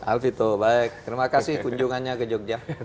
alvito baik terima kasih kunjungannya ke jogja